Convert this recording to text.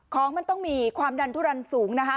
ของมันต้องมีความดันทุรันสูงนะคะ